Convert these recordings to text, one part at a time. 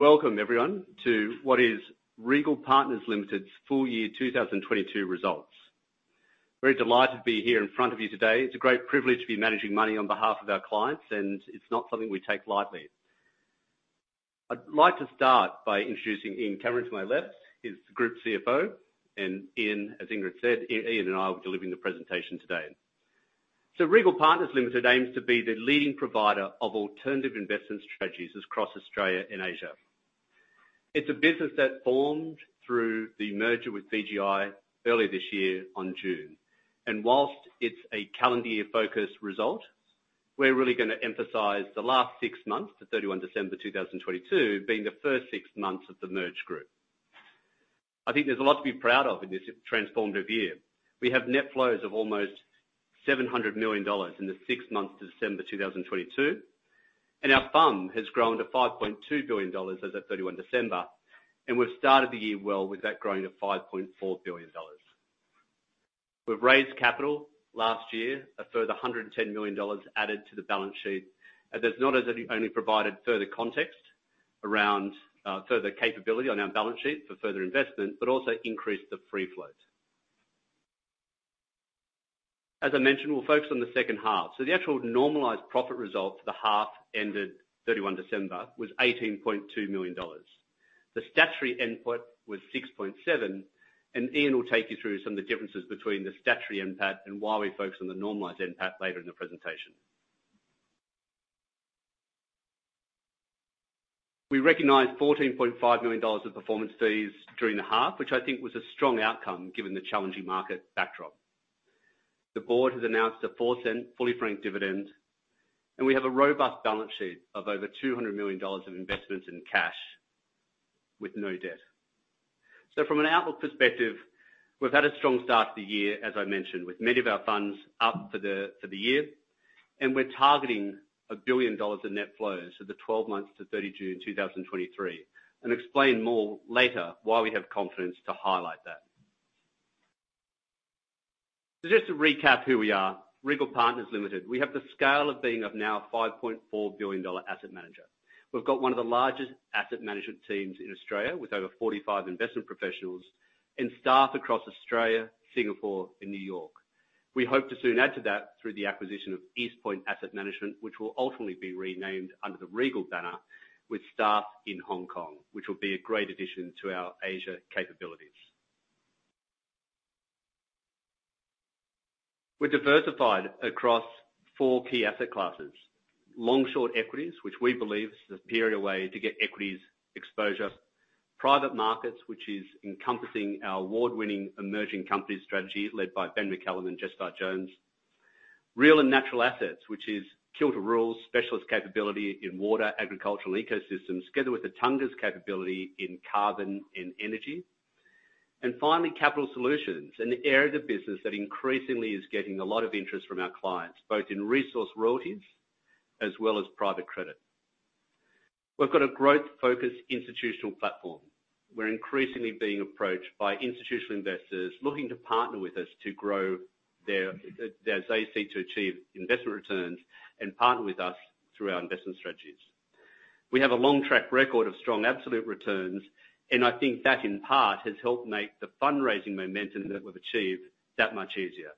Welcome everyone, to what is Regal Partners Limited's full year 2022 results. We're delighted to be here in front of you today. It's a great privilege to be managing money on behalf of our clients, and it's not something we take lightly. I'd like to start by introducing Ian Cameron to my left. He's the Group CFO, and Ian, as Ingrid said, Ian and I will be delivering the presentation today. Regal Partners Limited aims to be the leading provider of alternative investment strategies across Australia and Asia. It's a business that formed through the merger with VGI earlier this year on June. Whilst it's a calendar year focus result, we're really gonna emphasize the last six months to December 31 2022 being the first six months of the merge group. I think there's a lot to be proud of in this transformative year. We have net flows of almost 700 million dollars in the six months to December 2022, and our fund has grown to 5.2 billion dollars as of December 31, and we've started the year well with that growing to 5.4 billion dollars. We've raised capital last year, a further 110 million dollars added to the balance sheet. That's not only provided further context around further capability on our balance sheet for further investment, but also increased the free float. As I mentioned, we'll focus on the second half. The actual normalized profit result for the half ended December 31 was 18.2 million dollars. The statutory NPAT was 6.7. Ian will take you through some of the differences between the statutory NPAT and why we focus on the normalized NPAT later in the presentation. We recognized 14.5 million dollars of performance fees during the half, which I think was a strong outcome given the challenging market backdrop. The board has annuunced a 0.04 fully franked dividend. We have a robust balance sheet of over 200 million dollars of investments in cash with no debt. From an outlook perspective, we've had a strong start to the year, as I mentioned, with many of our funds up for the year. We're targeting 1 billion dollars in net flows for the 12 months -June 30 2023. Explain more later why we have confidence to highlight that. Just to recap who we are, Regal Partners Limited, we have the scale of being of now 5.4 billion dollar asset manager. We've got one of the largest asset management teams in Australia, with over 45 investment professionals and staff across Australia, Singapore, and New York. We hope to soon add to that through the acquisition of East Point Asset Management, which will ultimately be renamed under the Regal banner with staff in Hong Kong, which will be a great addition to our Asia capabilities. We're diversified across four key asset classes: long-short equities, which we believe is the superior way to get equities exposure, private markets, which is encompassing our award-winning emerging companies strategy led by Ben McCallum and Jessica Farr-Jones, real and natural assets, which is Kilter Rural's specialist capability in water, agricultural ecosystems, together with the Attunga's capability in carbon and energy, and finally, capital solutions, an area of the business that increasingly is getting a lot of interest from our clients, both in resource royalties as well as private credit. We've got a growth-focused institutional platform. We're increasingly being approached by institutional investors looking to partner with us to grow their as they seek to achieve investment returns and partner with us through our investment strategies. We have a long track record of strong absolute returns. I think that, in part, has helped make the fundraising momentum that we've achieved that much easier.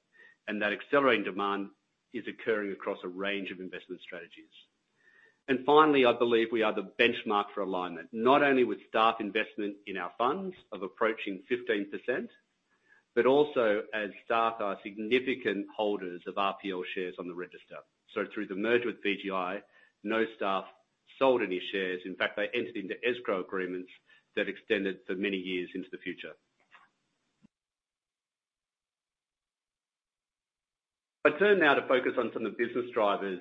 That accelerating demand is occurring across a range of investment strategies. Finally, I believe we are the benchmark for alignment, not only with staff investment in our funds of approaching 15%, but also as staff are significant holders of RPL shares on the register. Through the merger with VGI, no staff sold any shares. In fact, they entered into escrow agreements that extended for many years into the future. I turn now to focus on some of the business drivers,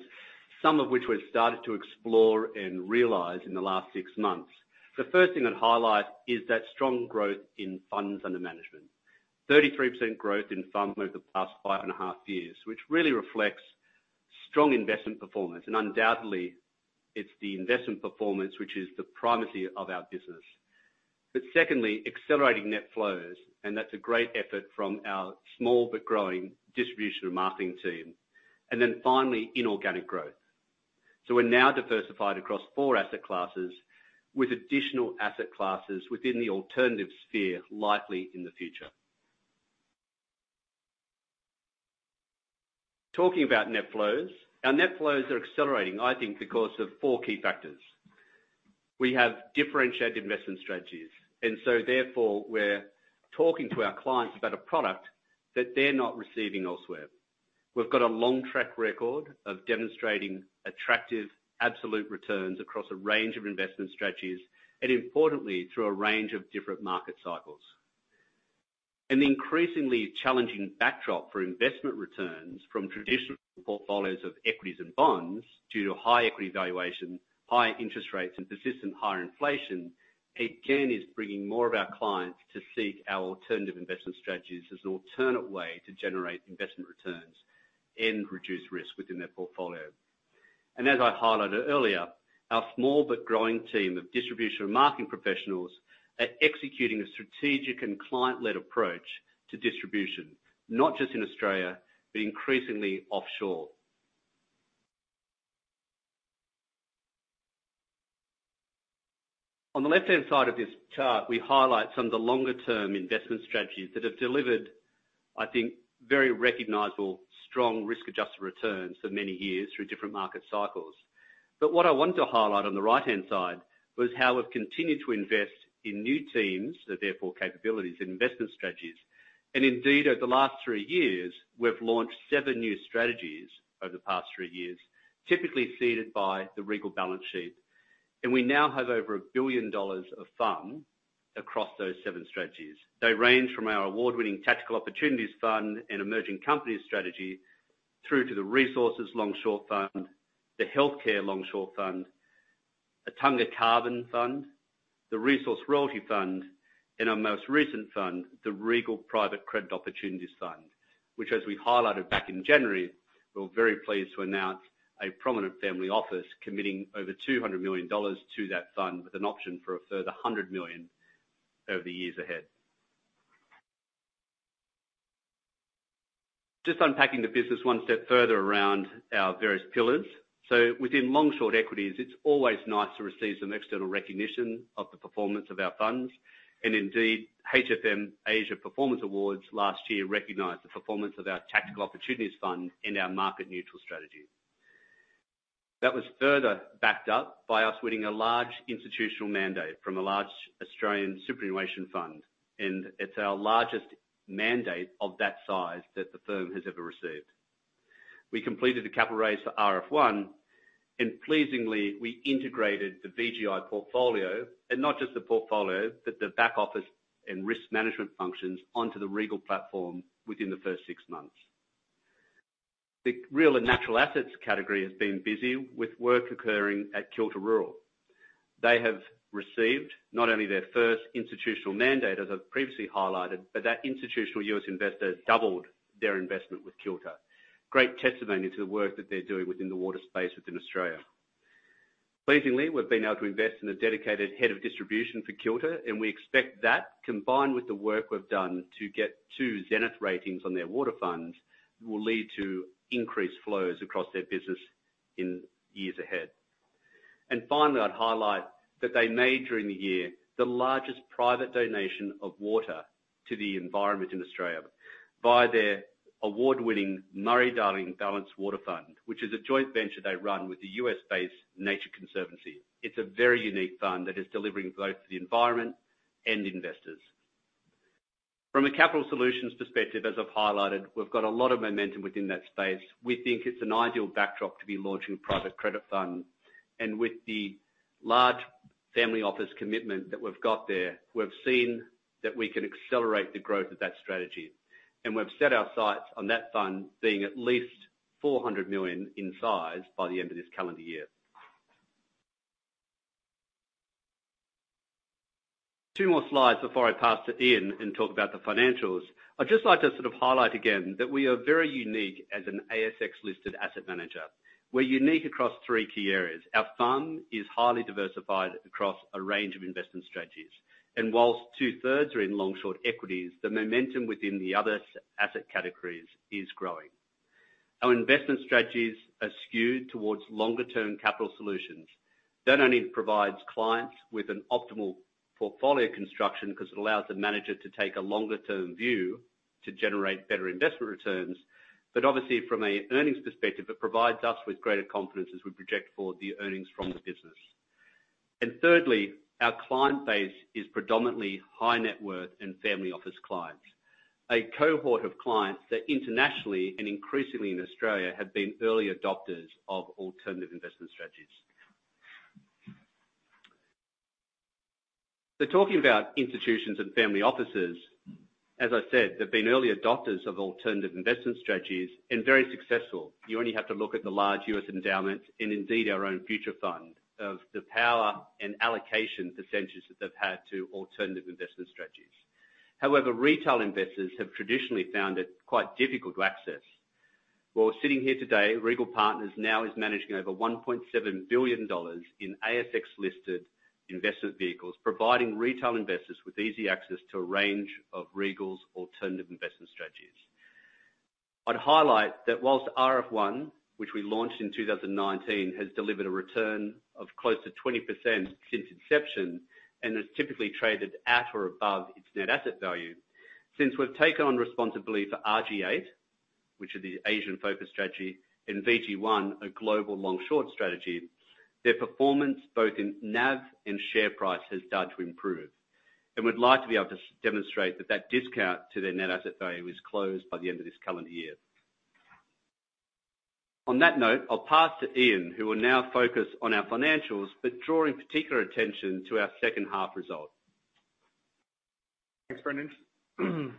some of which we've started to explore and realize in the last six months. The first thing I'd highlight is that strong growth in funds under management. 33% growth in funds over the past 5.5 Years, which really reflects strong investment performance. Undoubtedly, it's the investment performance which is the primacy of our business. Secondly, accelerating net flows, and that's a great effort from our small but growing distribution and marketing team. Finally, inorganic growth. We're now diversified across four asset classes with additional asset classes within the alternative sphere likely in the future. Talking about net flows, our net flows are accelerating, I think, because of four key factors. We have differentiated investment strategies, therefore we're talking to our clients about a product that they're not receiving elsewhere. We've got a long track record of demonstrating attractive absolute returns across a range of investment strategies, and importantly, through a range of different market cycles. An increasingly challenging backdrop for investment returns from traditional portfolios of equities and bonds due to high equity valuation, high interest rates, and persistent higher inflation, again, is bringing more of our clients to seek our alternative investment strategies as an alternate way to generate investment returns and reduce risk within their portfolio. As I highlighted earlier, our small but growing team of distribution and marketing professionals are executing a strategic and client-led approach to distribution, not just in Australia, but increasingly offshore. On the left hand side of this chart, we highlight some of the longer term investment strategies that have delivered, I think, very recognizable, strong risk-adjusted returns for many years through different market cycles. What I wanted to highlight on the right-hand side was how we've continued to invest in new teams, and therefore capabilities and investment strategies. Indeed, over the last three years, we've launched seven new strategies over the past three years, typically seeded by the Regal balance sheet. We now have over $1 billion of fund across those seven strategies. They range from our award-winning Tactical Opportunities Fund and Emerging Companies Strategy, through to the Resources Long Short Fund, the Healthcare Long Short Fund, Aitanga Carbon Fund, the Resource Royalty Fund, and our most recent fund, the Regal Private Credit Opportunities Fund, which, as we highlighted back in January, we're very pleased to announce a prominent family office committing over $200 million to that fund, with an option for a further $100 million over the years ahead. Just unpacking the business one step further around our various pillars. Within long-short equities, it's always nice to receive some external recognition of the performance of our funds. HFM Asia Performance Awards last year recognized the performance of our Tactical Opportunities Fund and our market neutral strategy. That was further backed up by us winning a large institutional mandate from a large Australian superannuation fund, and it's our largest mandate of that size that the firm has ever received. We completed the capital raise for RF1, and pleasingly, we integrated the VGI portfolio, and not just the portfolio, but the back office and risk management functions onto the Regal platform within the first six months. The real and natural assets category has been busy with work occurring at Kilter Rural. They have received not only their first institutional mandate, as I've previously highlighted, but that institutional US investor doubled their investment with Kilter. Great testimony to the work that they are doing within the water space within Australia. Pleasingly, we've been able to invest in a dedicated head of distribution for Kilter, and we expect that, combined with the work we've done to get two Zenith ratings on their water funds, will lead to increased flows across their business in years ahead. Finally, I'd highlight that they made during the year the largest private donation of water to the environment in Australia via their award-winning Murray-Darling Basin Water Fund, which is a joint venture they run with the U.S.-based Nature Conservancy. It's a very unique fund that is delivering both to the environment and investors. From a capital solutions perspective, as I've highlighted, we've got a lot of momentum within that space. We think it's an ideal backdrop to be launching private credit funds. With the large family office commitment that we've got there, we've seen that we can accelerate the growth of that strategy. We've set our sights on that fund being at least 400 million in size by the end of this calendar year. Two more slides before I pass to Ian Cameron and talk about the financials. I'd just like to sort of highlight again that we are very unique as an ASX-listed asset manager. We're unique across three key areas. Our fund is highly diversified across a range of investment strategies, whilst two-thirds are in long-short equities, the momentum within the other as-asset categories is growing. Our investment strategies are skewed towards longer-term capital solutions. That only provides clients with an optimal portfolio construction because it allows the manager to take a longer term view to generate better investment returns. Obviously from an earnings perspective, it provides us with greater confidence as we project for the earnings from the business. Thirdly, our client base is predominantly high-net worth and family office clients, a cohort of clients that internationally and increasingly in Australia, have been early adopters of alternative investment strategies. Talking about institutions and family offices, as I said, they've been early adopters of alternative investment strategies and very successful. You only have to look at the large U.S. endowments and indeed our own future fund of the power and allocation percentages that they've had to alternative investment strategies. However, retail investors have traditionally found it quite difficult to access. While we're sitting here today, Regal Partners now is managing over 1.7 billion dollars in ASX-listed investment vehicles, providing retail investors with easy access to a range of Regal's alternative investment strategies. I'd highlight that whilst RF1, which we launched in 2019, has delivered a return of close to 20% since inception and has typically traded at or above its net asset value. Since we've taken on responsibility for RG8, which is the Asian focused strategy, and VG1, a global long short strategy, their performance both in NAV and share price has started to improve. We'd like to be able to demonstrate that that discount to their net asset value is closed by the end of this calendar year. On that note, I'll pass to Ian, who will now focus on our financials, but drawing particular attention to our second half results. Thanks, Brendan. I'm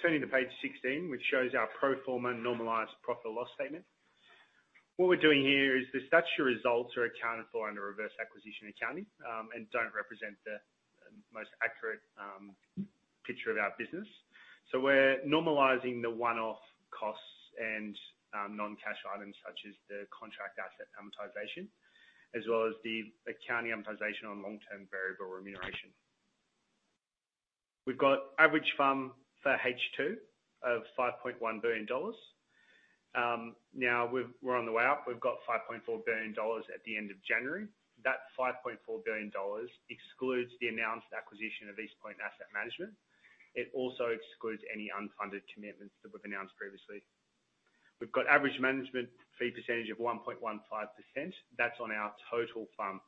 turning to page 16, which shows our pro forma normalized profit loss statement. What we're doing here is the statutory results are accounted for under reverse acquisition accounting, and don't represent the most accurate picture of our business. We're normalizing the one-off costs and non-cash items such as the contract asset amortization, as well as the accounting amortization on long-term variable remuneration. We've got average FUM for H2 of 5.1 billion dollars. Now we're on the way up. We've got 5.4 billion dollars at the end of January. That 5.4 billion dollars excludes the announced acquisition of East Point Asset Management. It also excludes any unfunded commitments that we've announced previously. We've got average management fee percentage of 1.15%. That's on our total FUM.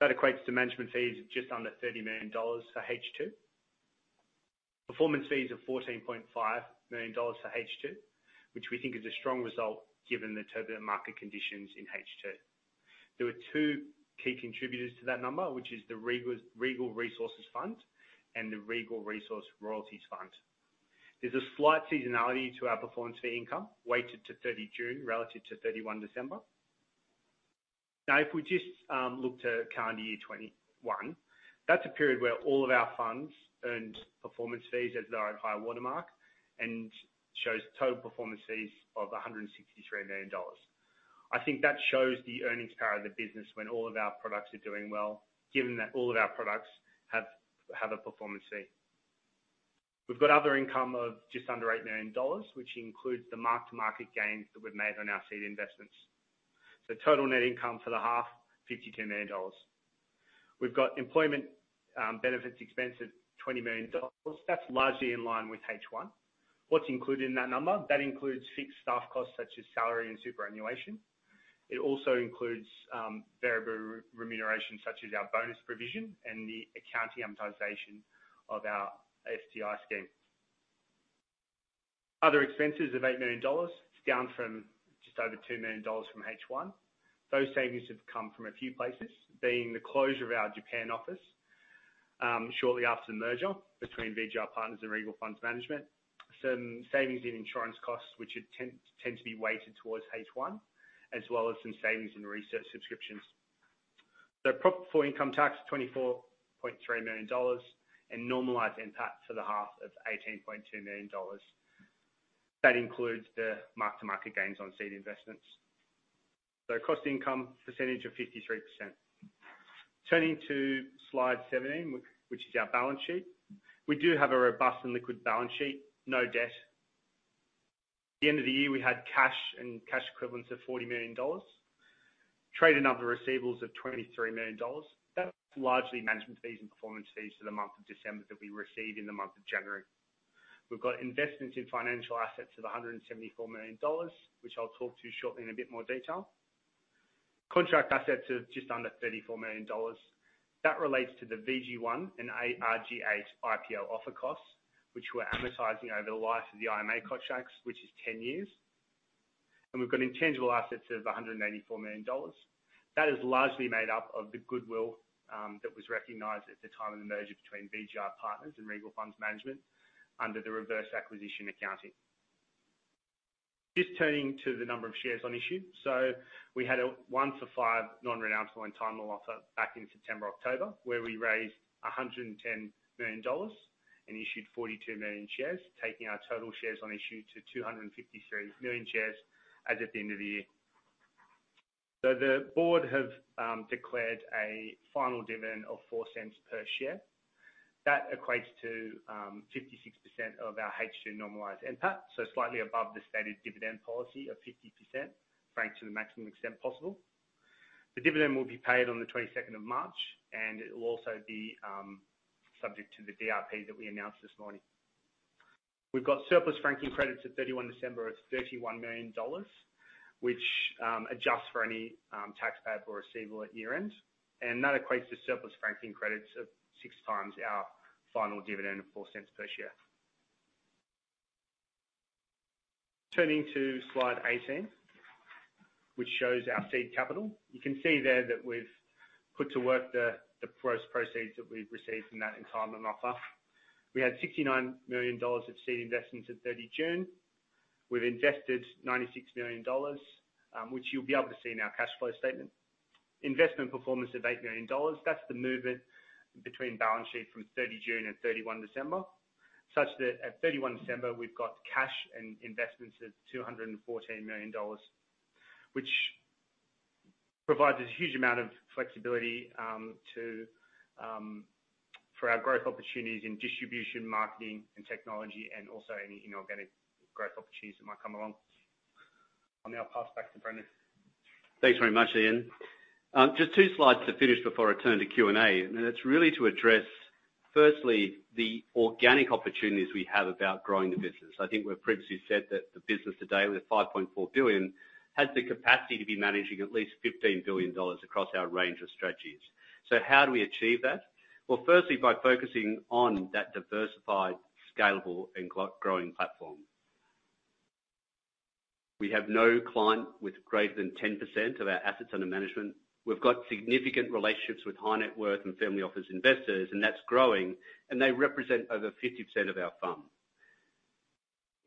That equates to management fees of just under 30 million dollars for H2. Performance fees of 14.5 million dollars for H2, which we think is a strong result given the turbulent market conditions in H2. There were two key contributors to that number, which is the Regal Resources Fund and the Regal Resource Royalties Fund. There's a slight seasonality to our performance fee income, weighted to June 30 relative to December 31. Now, if we just look to current year 21, that's a period where all of our funds earned performance fees as they are at high-water mark and shows total performance fees of 163 million dollars. I think that shows the earnings power of the business when all of our products are doing well, given that all of our products have a performance fee. We've got other income of just under $8 million, which includes the mark-to-market gains that we've made on our seed investments. Total net income for the half, $52 million. We've got employment benefits expense of $20 million. That's largely in line with H1. What's included in that number? That includes fixed staff costs such as salary and superannuation. It also includes variable remuneration such as our bonus provision and the accounting amortization of our STI scheme. Other expenses of $8 million, it's down from just over $2 million from H1. Those savings have come from a few places, being the closure of our Japan office shortly after the merger between VGI Partners and Regal Funds Management. Some savings in insurance costs, which it tend to be weighted towards H1, as well as some savings in research subscriptions. The profit for income tax, 24.3 million dollars and normalized NPAT for the half is 18.2 million dollars. That includes the mark-to-market gains on seed investments. Cost income, percentage of 53%. Turning to slide 17, which is our balance sheet. We do have a robust and liquid balance sheet. No debt. The end of the year, we had cash and cash equivalents of 40 million dollars. Trade and other receivables of 23 million dollars. That's largely management fees and performance fees for the month of December that we received in the month of January. We've got investments in financial assets of 174 million dollars, which I'll talk to you shortly in a bit more detail. Contract assets of just under 34 million dollars. That relates to the VG1 and RG8 IPO offer costs, which we're amortizing over the life of the IMA contracts, which is 10 years. We've got intangible assets of 184 million dollars. That is largely made up of the goodwill that was recognized at the time of the merger between VGI Partners and Regal Funds Management under the reverse acquisition accounting. Just turning to the number of shares on issue. We had a one for five non-renounceable entitlement offer back in September, October, where we raised 110 million dollars and issued 42 million shares, taking our total shares on issue to 253 million shares as at the end of the year. The board have declared a final dividend of 0.04 per share. That equates to 56% of our H2 normalized NPAT, so slightly above the stated dividend policy of 50%, franked to the maximum extent possible. The dividend will be paid on the 22nd of March, and it will also be subject to the DRP that we announced this morning. We've got surplus franking credits at December 31 of 31 million dollars, which adjusts for any tax payable receivable at year-end. That equates to surplus franking credits of 6 times our final dividend of 0.04 per share. Turning to slide 18, which shows our seed capital. You can see there that we've put to work the gross proceeds that we've received from that entitlement offer. We had 69 million dollars of seed investments at June 30. We've invested 96 million dollars, which you'll be able to see in our cash flow statement. Investment performance of 8 million dollars, that's the movement between balance sheet from June 30 and December 31, such that at December 31, we've got cash and investments of 214 million dollars, which provides us huge amount of flexibility to for our growth opportunities in distribution, marketing, and technology, and also any inorganic growth opportunities that might come along. I'll now pass back to Brendan. Thanks very much, Ian. Just two slides to finish before I turn to Q&A. It's really to address, firstly, the organic opportunities we have about growing the business. I think we've previously said that the business today with 5.4 billion has the capacity to be managing at least 15 billion dollars across our range of strategies. How do we achieve that? Well, firstly, by focusing on that diversified, scalable, and growing platform. We have no client with greater than 10% of our assets under management. We've got significant relationships with high net worth and family office investors, and that's growing, and they represent over 50% of our FUM.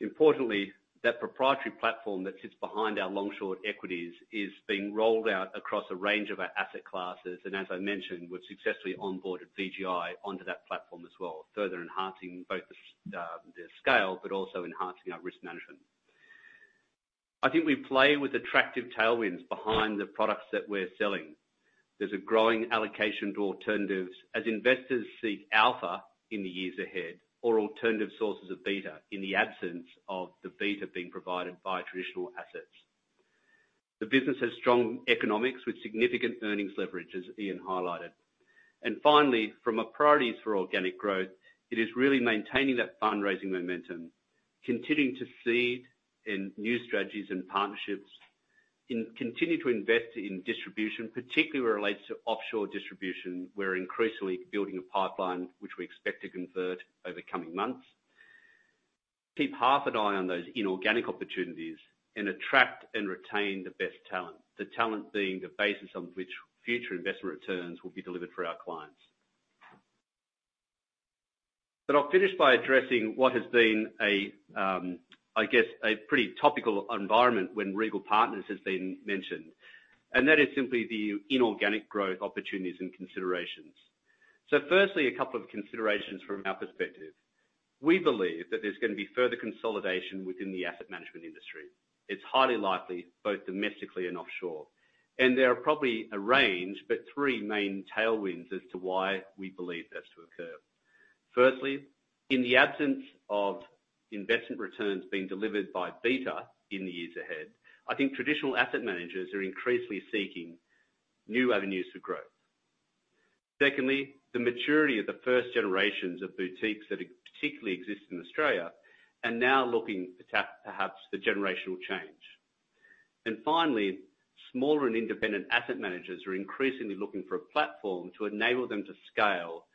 Importantly, that proprietary platform that sits behind our long-short equities is being rolled out across a range of our asset classes, and as I mentioned, we've successfully onboarded VGI onto that platform as well, further enhancing both the scale, but also enhancing our risk management. I think we play with attractive tailwinds behind the products that we're selling. There's a growing allocation to alternatives as investors seek alpha in the years ahead or alternative sources of beta in the absence of the beta being provided by traditional assets. The business has strong economics with significant earnings leverage, as Ian highlighted. Finally, from a priorities for organic growth, it is really maintaining that fundraising momentum, continuing to seed in new strategies and partnerships and continue to invest in distribution, particularly where it relates to offshore distribution. We're increasingly building a pipeline which we expect to convert over coming months. Keep half an eye on those inorganic opportunities and attract and retain the best talent, the talent being the basis on which future investment returns will be delivered for our clients. I'll finish by addressing what has been a, I guess, a pretty topical environment when Regal Partners has been mentioned, and that is simply the inorganic growth opportunities and considerations. Firstly, a couple of considerations from our perspective. We believe that there's gonna be further consolidation within the asset management industry. It's highly likely, both domestically and offshore. There are probably a range, but three main tailwinds as to why we believe that's to occur. Firstly, in the absence of investment returns being delivered by beta in the years ahead, I think traditional asset managers are increasingly seeking new avenues for growth. Secondly, the maturity of the first generations of boutiques that particularly exist in Australia are now looking perhaps for generational change. Finally, smaller and independent asset managers are increasingly looking for a platform to enable them to scale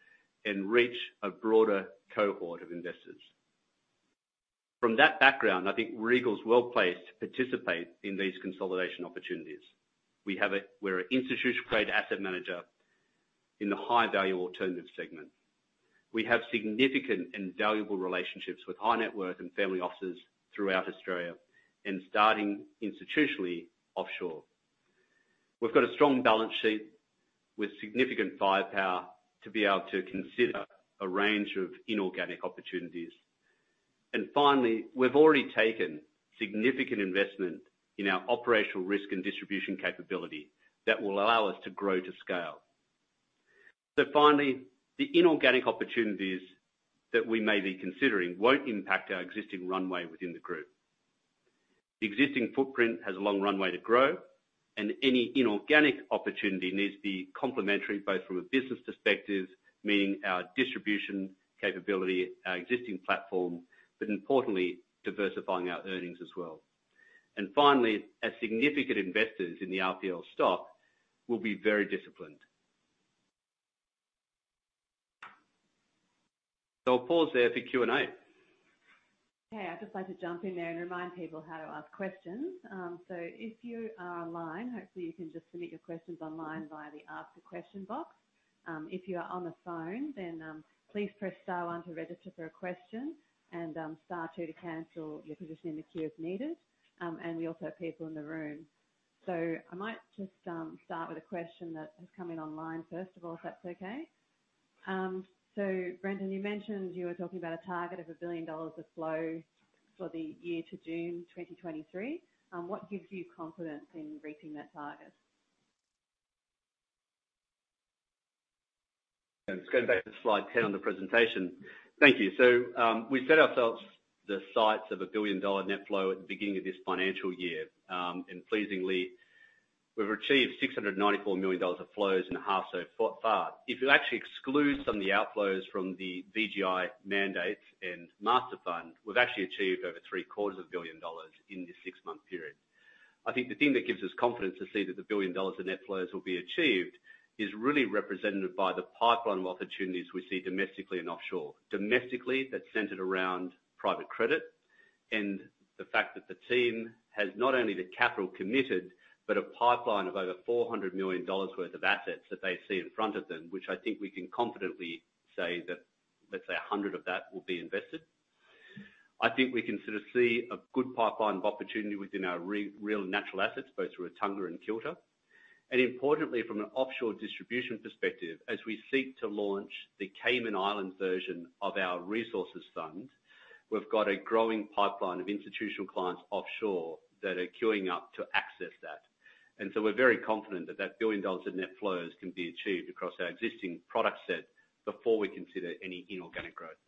and reach a broader cohort of investors. From that background, I think Regal's well-placed to participate in these consolidation opportunities. We're an institutional grade asset manager in the high-value alternative segment. We have significant and valuable relationships with high-net worth and family offices throughout Australia, and starting institutionally offshore. We've got a strong balance sheet with significant firepower to be able to consider a range of inorganic opportunities. Finally, we've already taken significant investment in our operational risk and distribution capability that will allow us to grow to scale. Finally, the inorganic opportunities that we may be considering won't impact our existing runway within the group. The existing footprint has a long runway to grow, and any inorganic opportunity needs to be complementary both from a business perspective, meaning our distribution capability, our existing platform, but importantly, diversifying our earnings as well. Finally, as significant investors in the RPL stock, we'll be very disciplined. I'll pause there for Q&A. Okay. I'd just like to jump in there and remind people how to ask questions. If you are online, hopefully you can just submit your questions online via the Ask a Question box. If you are on the phone, please press star one to register for a question and star two to cancel your position in the queue if needed. We also have people in the room. I might just start with a question that has come in online first of all, if that's okay. Brendan, you mentioned you were talking about a target of 1 billion dollars of flow for the year to June 2023. What gives you confidence in reaching that target? Let's go back to slide 10 on the presentation. Thank you. We set ourselves the sights of a billion-dollar net flow at the beginning of this financial year. Pleasingly, we've achieved 694 million dollars of flows in the half so far. If you actually exclude some of the outflows from the VGI mandates and master fund, we've actually achieved over three-quarters of a billion dollars in this six-month period. I think the thing that gives us confidence to see that the billion dollars in net flows will be achieved is really represented by the pipeline of opportunities we see domestically and offshore. Domestically, that's centered around private credit and the fact that the team has not only the capital committed, but a pipeline of over $400 million worth of assets that they see in front of them, which I think we can confidently say that, let's say $100 million of that will be invested. I think we can sort of see a good pipeline of opportunity within our real and natural assets, both through Attunga and Kilter. Importantly, from an offshore distribution perspective, as we seek to launch the Cayman Island version of our resources fund, we've got a growing pipeline of institutional clients offshore that are queuing up to access that. We're very confident that that $1 billion in net flows can be achieved across our existing product set before we consider any inorganic growth.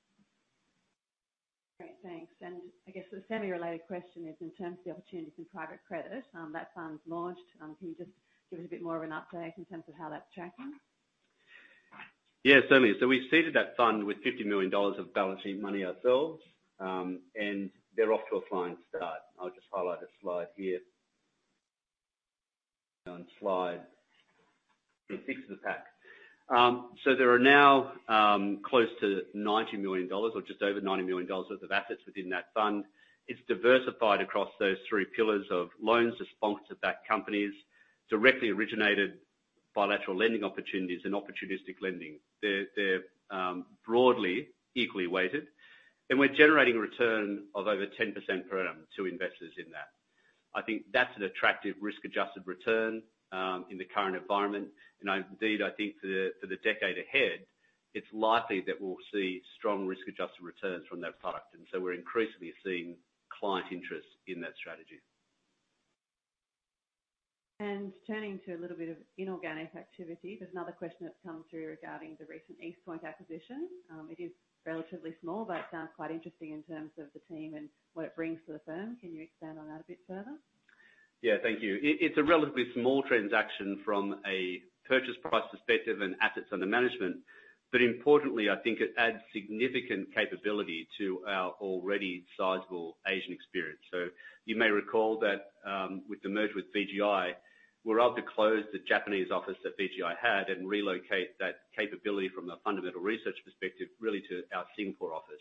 Great. Thanks. I guess the semi-related question is in terms of the opportunities in private credit, that fund's launched, can you just give us a bit more of an update in terms of how that's tracking? Yeah, certainly. We've seeded that fund with 50 million dollars of balance sheet money ourselves, and they're off to a flying start. I'll just highlight a slide here. On slide six of the pack. There are now close to 90 million dollars or just over 90 million dollars worth of assets within that fund. It's diversified across those three pillars of loans to sponsors of that companies, directly originated bilateral lending opportunities, and opportunistic lending. They're broadly equally weighted, and we're generating a return of over 10% per annum to investors in that. I think that's an attractive risk-adjusted return, in the current environment. Indeed, I think for the decade ahead. It's likely that we'll see strong risk-adjusted returns from that product, and so we're increasingly seeing client interest in that strategy. Turning to a little bit of inorganic activity, there's another question that's come through regarding the recent East Point acquisition. It is relatively small, but sounds quite interesting in terms of the team and what it brings to the firm. Can you expand on that a bit further? Yeah, thank you. It's a relatively small transaction from a purchase price perspective and assets under management. Importantly, I think it adds significant capability to our already sizable Asian experience. You may recall that, with the merger with VGI, we're able to close the Japanese office that VGI had and relocate that capability from a fundamental research perspective, really to our Singapore office.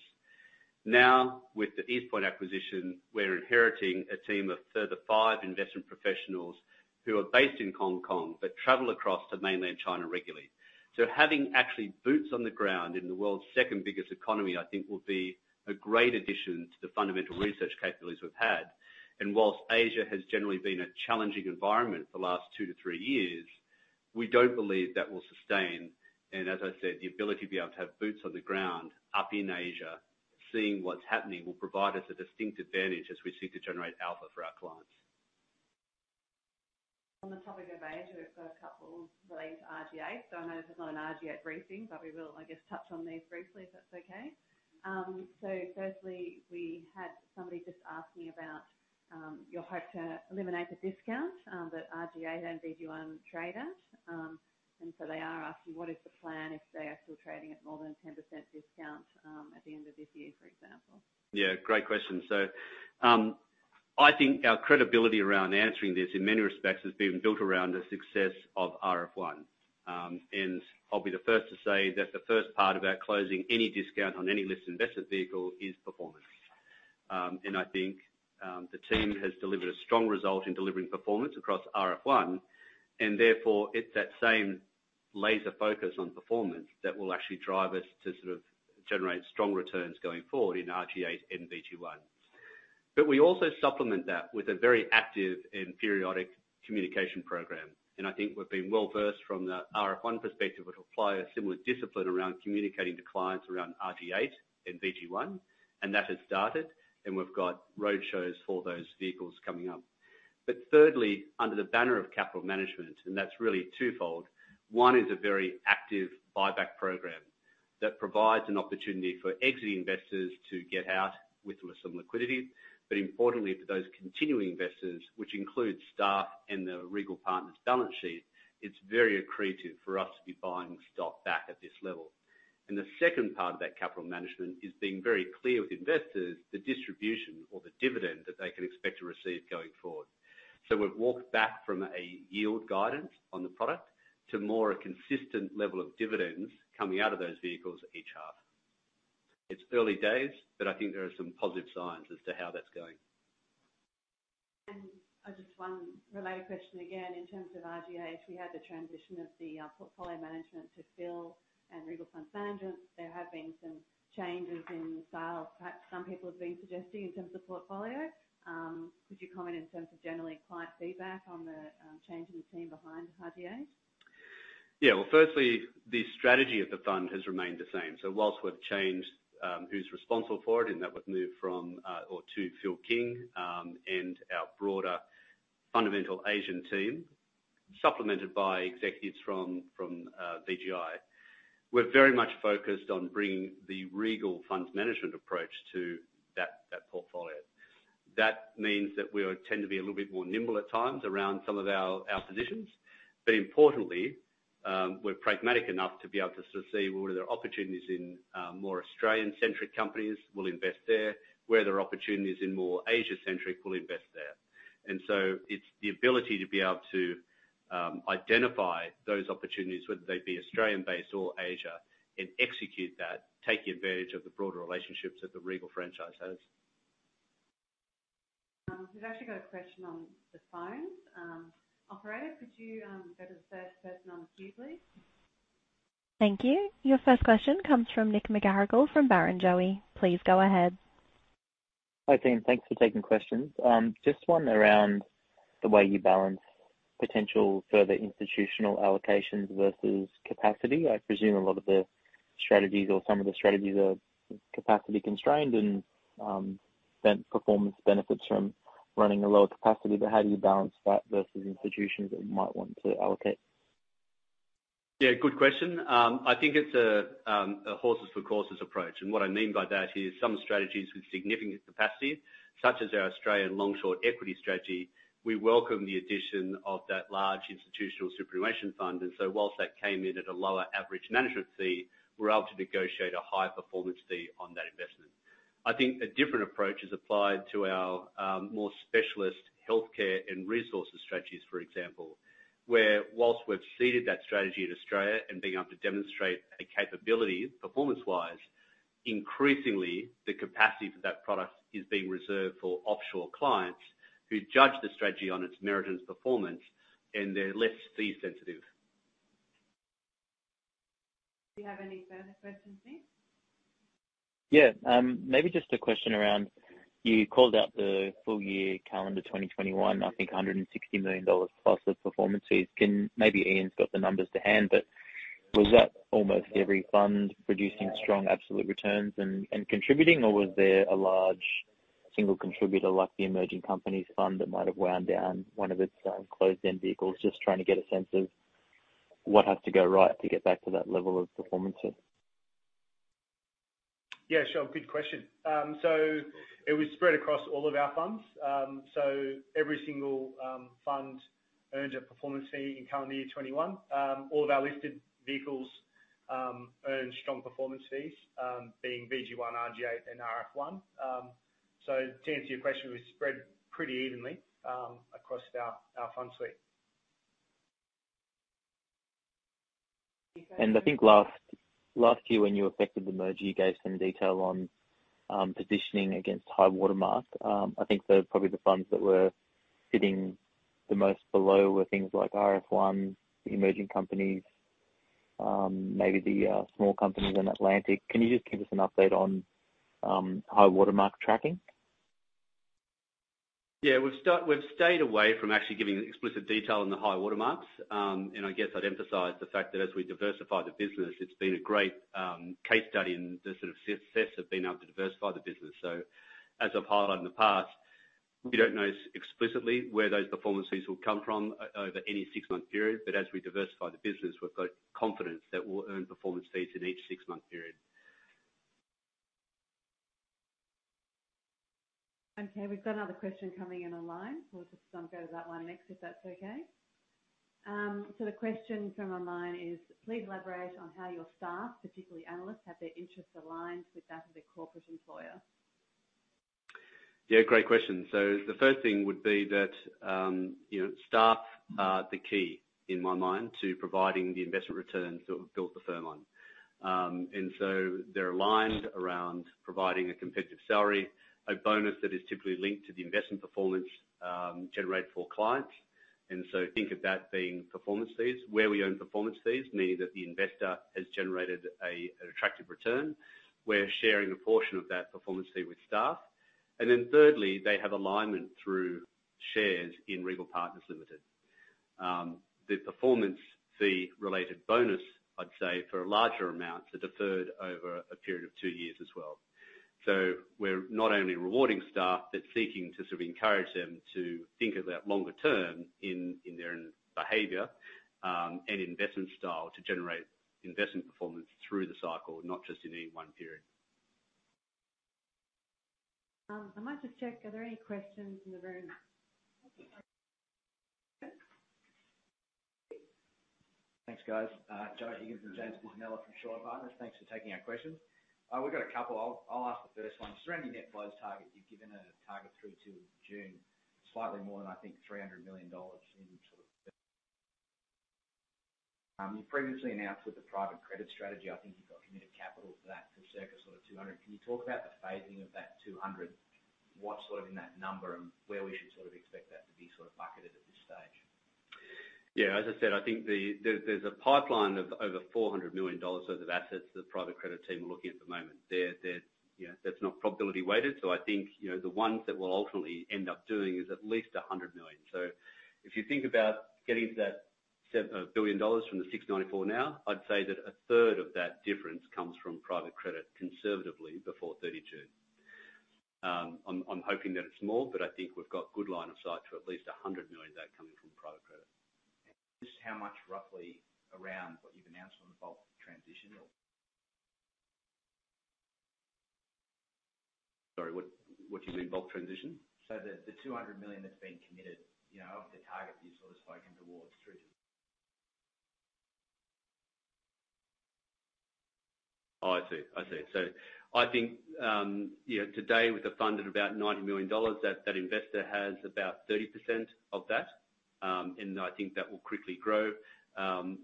With the East Point acquisition, we're inheriting a team of further five investment professionals who are based in Hong Kong but travel across to mainland China regularly. Having actually boots on the ground in the world's second-biggest economy, I think will be a great addition to the fundamental research capabilities we've had. Whilst Asia has generally been a challenging environment for the last two to three years, we don't believe that will sustain. As I said, the ability to be able to have boots on the ground up in Asia, seeing what's happening, will provide us a distinct advantage as we seek to generate alpha for our clients. On the topic of Asia, we've got a couple relating to RG8. I know this is not an RG8 briefing, but we will, I guess, touch on these briefly, if that's okay. Firstly, we had somebody just asking about your hope to eliminate the discount that RG8 and VG1 trade at. They are asking, what is the plan if they are still trading at more than 10% discount at the end of this year, for example? Yeah, great question. I think our credibility around answering this in many respects has been built around the success of RF1. I'll be the first to say that the first part about closing any discount on any listed invested vehicle is performance. I think the team has delivered a strong result in delivering performance across RF1, and therefore, it's that same laser focus on performance that will actually drive us to sort of generate strong returns going forward in RG8 and VG1. We also supplement that with a very active and periodic communication program. I think we've been well-versed from the RF1 perspective, which apply a similar discipline around communicating to clients around RG8 and VG1, and that has started, and we've got roadshows for those vehicles coming up. Thirdly, under the banner of capital management, and that's really twofold. One is a very active buyback program that provides an opportunity for exiting investors to get out with some liquidity. Importantly, for those continuing investors, which includes staff and the Regal Partners balance sheet, it's very accretive for us to be buying stock back at this level. The second part of that capital management is being very clear with investors the distribution or the dividend that they can expect to receive going forward. We've walked back from a yield guidance on the product to more a consistent level of dividends coming out of those vehicles each half. It's early days, but I think there are some positive signs as to how that's going. Just one related question again, in terms of RG8, if we had the transition of the portfolio management to Phil and Regal Funds Management, there have been some changes in sales, perhaps some people have been suggesting in terms of portfolio. Could you comment in terms of generally client feedback on the change in the team behind RG8? Yeah. Firstly, the strategy of the fund has remained the same. Whilst we've changed who's responsible for it, and that was moved to Phil King and our broader fundamental Asian team, supplemented by executives from VGI. We're very much focused on bringing the Regal Funds Management approach to that portfolio. That means that we would tend to be a little bit more nimble at times around some of our positions. Importantly, we're pragmatic enough to be able to sort of see where there are opportunities in more Australian-centric companies, we'll invest there. Where there are opportunities in more Asia-centric, we'll invest there. It's the ability to be able to identify those opportunities, whether they be Australian-based or Asia, and execute that, taking advantage of the broader relationships that the Regal franchise has. We've actually got a question on the phone. Operator, could you go to the first person on queue, please? Thank you. Your first question comes from Nick McGarrigle from Barrenjoey. Please go ahead. Hi, team. Thanks for taking questions. Just one around the way you balance potential further institutional allocations versus capacity. I presume a lot of the strategies or some of the strategies are capacity constrained and then performance benefits from running a lower capacity. How do you balance that versus institutions that might want to allocate? Yeah, good question. I think it's a horses for courses approach. What I mean by that is some strategies with significant capacity, such as our Australian long, short equity strategy, we welcome the addition of that large institutional superannuation fund. Whilst that came in at a lower average management fee, we're able to negotiate a high-performance fee on that investment. I think a different approach is applied to our more specialist healthcare and resources strategies, for example. Where whilst we've seeded that strategy in Australia and being able to demonstrate a capability performance-wise, increasingly the capacity for that product is being reserved for offshore clients who judge the strategy on its merit and its performance, and they're less fee sensitive. Do you have any further questions, Nick? Yeah. Maybe just a question around, you called out the full year calendar 2021, I think 160 million dollars plus of performance fees. Maybe Ian's got the numbers to hand, was that almost every fund producing strong absolute returns and contributing, or was there a large single contributor, like the Emerging Companies fund that might have wound down one of its closed-end vehicles? Just trying to get a sense of what has to go right to get back to that level of performances. Yeah, sure. Good question. It was spread across all of our funds. Every single fund earned a performance fee in current year 2021. All of our listed vehicles earned strong performance fees, being VG1, RG8, and RF1. To answer your question, it was spread pretty evenly across our fund suite. I think last year when you affected the merge, you gave some detail on positioning against high-water mark. I think those are probably the funds that were sitting the most below were things like RF1, the Emerging Companies, maybe the small companies in Atlantic. Can you just give us an update on high-water mark tracking? Yeah. We've stayed away from actually giving explicit detail on the high-water marks. I guess I'd emphasize the fact that as we diversify the business, it's been a great case study and the sort of success of being able to diversify the business. As I've highlighted in the past, we don't know explicitly where those performance fees will come from over any six-month period, but as we diversify the business, we've got confidence that we'll earn performance fees in each six-month period. We've got another question coming in online. We'll just go to that one next, if that's okay. The question from online is, please elaborate on how your staff, particularly analysts, have their interests aligned with that of their corporate employer. Great question. The first thing would be that, you know, staff are the key, in my mind, to providing the investment returns that we've built the firm on. They're aligned around providing a competitive salary, a bonus that is typically linked to the investment performance generated for clients. Think of that being performance fees. Where we earn performance fees, meaning that the investor has generated an attractive return, we're sharing a portion of that performance fee with staff. Thirdly, they have alignment through shares in Regal Partners Limited. The performance fee related bonus, I'd say for larger amounts, are deferred over a period of two years as well. We're not only rewarding staff, but seeking to sort of encourage them to think of that longer term in their own behavior, and investment style to generate investment performance through the cycle, not just in any one period. I might just check, are there any questions in the room? Okay. Thanks, guys. Joe Higgins and James Sinodinos from Shore Partners. Thanks for taking our questions. We've got a couple. I'll ask the first one. Surrounding net flows target, you've given a target through to June, slightly more than, I think, 300 million dollars in sort of... You previously announced with the private credit strategy, I think you've got committed capital for that for circa sort of 200 million. Can you talk about the phasing of that 200 million? What's sort of in that number and where we should sort of expect that to be sort of bucketed at this stage? Yeah, as I said, I think There's a pipeline of over $400 million worth of assets that the private credit team are looking at the moment. They're, you know, that's not probability weighted. I think, you know, the ones that we'll ultimately end up doing is at least $100 million. If you think about getting to that $1 billion from the $694 million now, I'd say that a third of that difference comes from private credit conservatively before June 30. I'm hoping that it's more, but I think we've got good line of sight to at least $100 million of that coming from private credit. Just how much roughly around what you've announced on the bulk transition or? Sorry, what do you mean bulk transition? The 200 million that's been committed, you know, of the target that you've sort of spoken towards? Oh, I see. I see. I think, you know, today with the fund at about 90 million dollars, that investor has about 30% of that. I think that will quickly grow.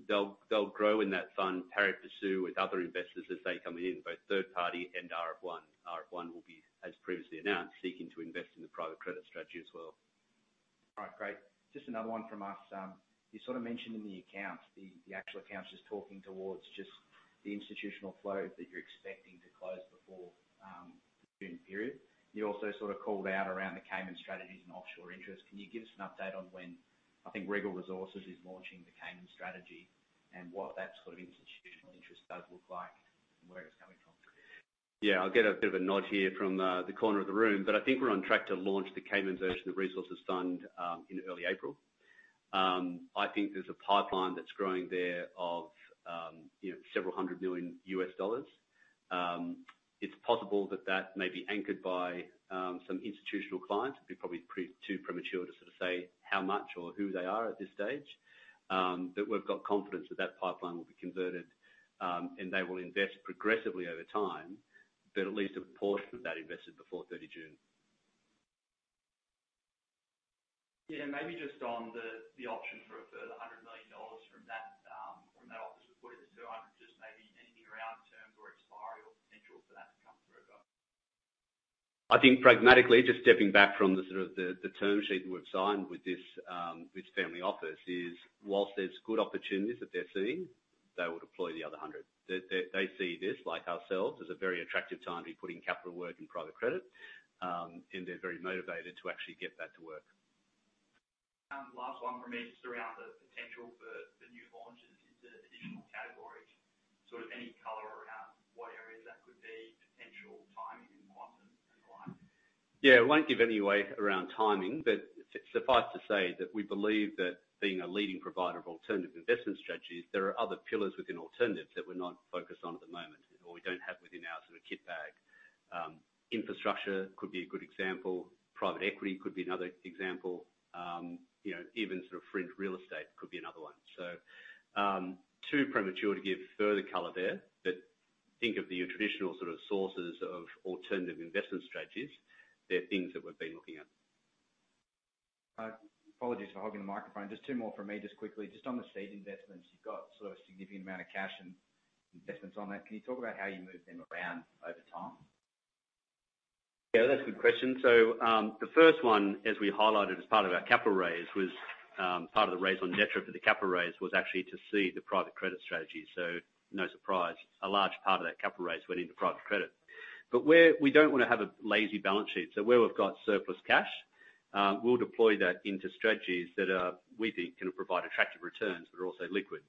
They'll grow in that fund, pari passu with other investors as they come in, both third party and RF1. RF1 will be, as previously announced, seeking to invest in the private credit strategy as well. All right, great. Just another one from us. You sort of mentioned in the accounts, the actual accounts talking towards the institutional flow that you're expecting to close before June period. You also sort of called out around the Cayman strategies and offshore interests. Can you give us an update on when, I think, Regal Resources is launching the Cayman strategy and what that sort of institutional interest does look like and where it's coming from? Yeah, I'll get a bit of a nod here from the corner of the room, but I think we're on track to launch the Cayman version of the Resources Fund in early April. I think there's a pipeline that's growing there of, you know, several hundred million US dollars. It's possible that that may be anchored by some institutional clients. It'd be probably too premature to sort of say how much or who they are at this stage. We've got confidence that that pipeline will be converted, and they will invest progressively over time. At least a portion of that invested before June 30. Yeah, maybe just on the option for a further $100 million from that, from that office reporting the $200 million, just maybe anything around terms or expiry or potential for that to come through? I think pragmatically, just stepping back from the sort of the term sheet we've signed with this, with family office, is whilst there's good opportunities that they're seeing, they would deploy the other 100. They see this like ourselves, as a very attractive time to be putting capital work in private credit, and they're very motivated to actually get that to work. Last one from me, just around the potential for the new launches into additional categories. Sort of any color around what areas that could be, potential timing in the quarter and why? Yeah. I won't give any way around timing, but suffice to say that we believe that being a leading provider of alternative investment strategies, there are other pillars within alternatives that we're not focused on at the moment or we don't have within our sort of kit bag. Infrastructure could be a good example. Private equity could be another example. You know, even sort of fringe real estate could be another one. Too premature to give further color there, but think of your traditional sort of sources of alternative investment strategies, they're things that we've been looking at. Apologies for hogging the microphone. Just two more from me, just quickly. Just on the seed investments, you've got sort of a significant amount of cash and investments on that. Can you talk about how you move them around over time? Yeah, that's a good question. The first one, as we highlighted as part of our capital raise, was part of the raise on debt for the capital raise was actually to seed the private credit strategy. Where we don't want to have a lazy balance sheet, where we've got surplus cash, we'll deploy that into strategies that we think can provide attractive returns but are also liquid.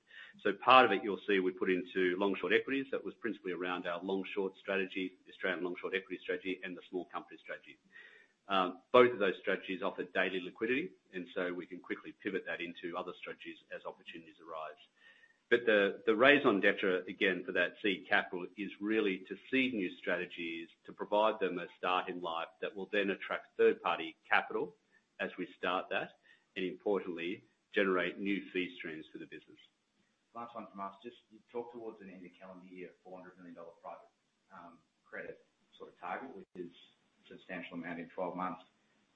Part of it, you'll see we put into long-short equities. That was principally around our long-short strategy, Australian long-short equity strategy and the small company strategy. Both of those strategies offer daily liquidity, we can quickly pivot that into other strategies as opportunities arise. The raise on debt again for that seed capital is really to seed new strategies, to provide them a start in life that will then attract third-party capital as we start that, and importantly, generate new fee streams for the business. Last one from us. Just you've talked towards an end of calendar year, $400 million private credit sort of target, which is substantial amount in 12 months.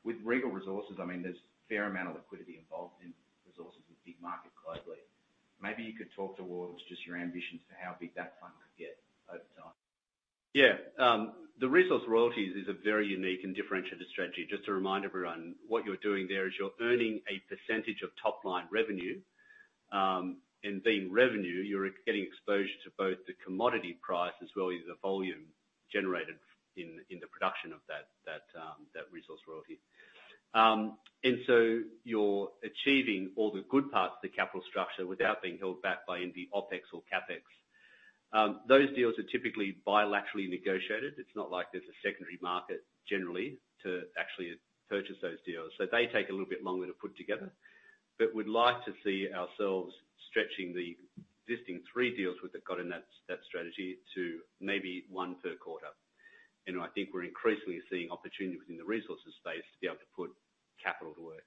With Regal Resources, there's fair amount of liquidity involved in resources with big market globally. Maybe you could talk towards just your ambitions for how big that fund could get over time. Yeah. The resource royalties is a very unique and differentiated strategy. Just to remind everyone, what you're doing there is you're earning a percentage of top-line revenue. Being revenue, you're getting exposure to both the commodity price as well as the volume generated in the production of that resource royalty. You're achieving all the good parts of the capital structure without being held back by any OpEx or CapEx. Those deals are typically bilaterally negotiated. It's not like there's a secondary market generally to actually purchase those deals, they take a little bit longer to put together. We'd like to see ourselves stretching the existing three deals we've got in that strategy to maybe one per quarter. I think we're increasingly seeing opportunity within the resources space to be able to put capital to work.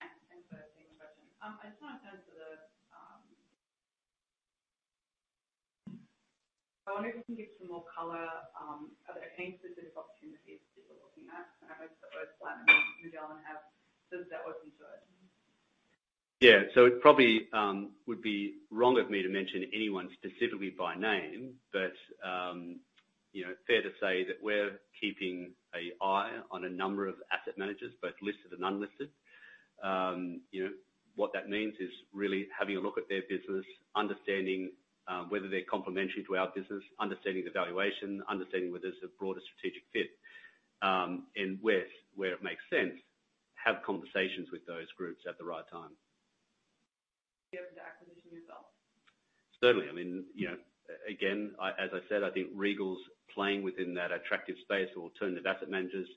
Thanks. Thanks for taking the question. I wonder if you can give some more color, are there any specific opportunities that you're looking at? I guess both Plato and Magellan have doors that open to it. Yeah. It probably would be wrong of me to mention anyone specifically by name. You know, fair to say that we're keeping an eye on a number of asset managers, both listed and unlisted. You know, what that means is really having a look at their business, understanding whether they're complementary to our business, understanding the valuation, understanding whether there's a broader strategic fit, and where it makes sense, have conversations with those groups at the right time. Be able to acquisition yourself? Certainly. I mean, you know, again, I, as I said, I think Regal's playing within that attractive space of alternative asset managers.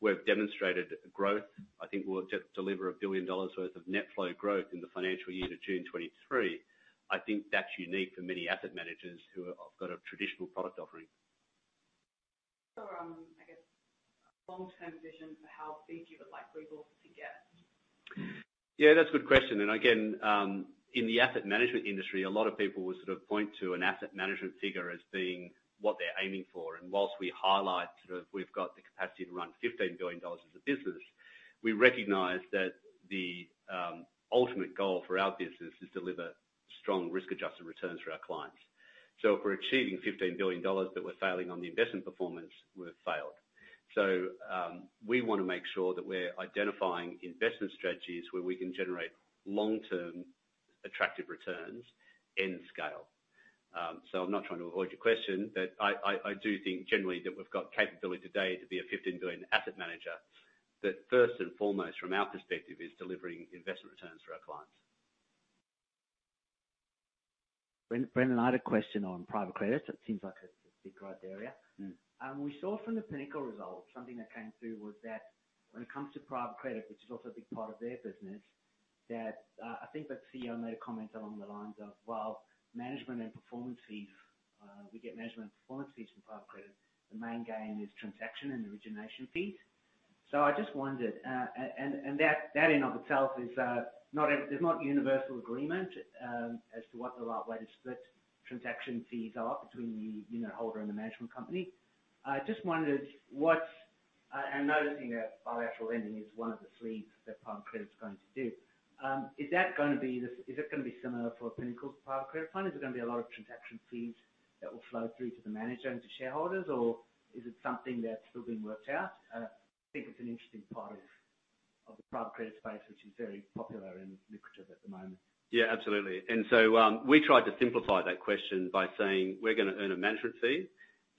We've demonstrated growth. I think we'll deliver $1 billion worth of net flow growth in the financial year to June 2023. I think that's unique for many asset managers who have got a traditional product offering. I guess long-term vision for how big you would like Regal to get? Yeah, that's a good question. Again, in the asset management industry, a lot of people would sort of point to an asset management figure as being what they're aiming for. Whilst we highlight sort of we've got the capacity to run 15 billion dollars as a business, we recognize that the ultimate goal for our business is deliver strong risk-adjusted returns for our clients. If we're achieving 15 billion dollars but we're failing on the investment performance, we've failed. We wanna make sure that we're identifying investment strategies where we can generate long-term attractive returns in scale. I do think generally that we've got capability today to be a 15 billion asset manager, but first and foremost from our perspective is delivering investment returns for our clients. Brendan, I had a question on private credit. It seems like a big growth area. Mm. We saw from the Pinnacle results, something that came through was that when it comes to private credit, which is also a big part of their business, that, I think the CEO made a comment along the lines of, well management and performance fees, we get management performance fees from private credit, the main gain is transaction and origination fees. I just wondered, and that in of itself is not universal agreement as to what the right way to split transaction fees are between the unit holder and the management company. I just wondered what's, and noticing that bilateral lending is one of the three that private credit is going to do, is that gonna be similar for Pinnacle's private credit fund? Is it gonna be a lot of transaction fees that will flow through to the manager and to shareholders, or is it something that's still being worked out? I think it's an interesting part of the private credit space, which is very popular and lucrative at the moment. Yeah, absolutely. We tried to simplify that question by saying we're gonna earn a management fee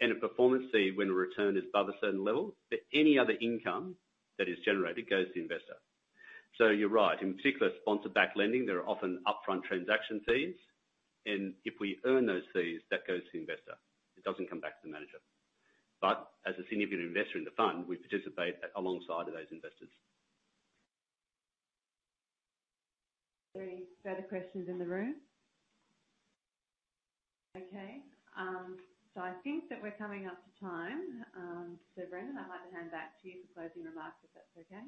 and a performance fee when a return is above a certain level, any other income that is generated goes to investor. You're right. In particular, sponsor-backed lending, there are often upfront transaction fees, if we earn those fees, that goes to investor. It doesn't come back to the manager. As a significant investor in the fund, we participate alongside of those investors. Any further questions in the room? Okay. I think that we're coming up to time. Brendan, I'd like to hand back to you for closing remarks, if that's okay.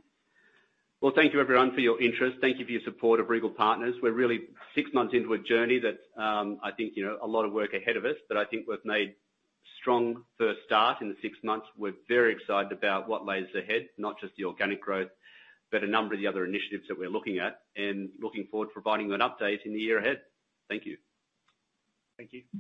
Well, thank you everyone for your interest. Thank you for your support of Regal Partners. We're really six months into a journey that, I think, you know, a lot of work ahead of us. I think we've made strong first start in the six months. We're very excited about what lays ahead, not just the organic growth, but a number of the other initiatives that we're looking at and looking forward to providing you an update in the year ahead. Thank you. Thank you.